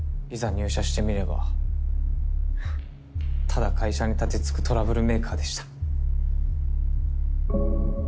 入社してみればはっただ会社に盾つくトラブルメーカーでした。